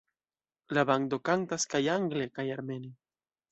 La bando kantas kaj angle kaj armene.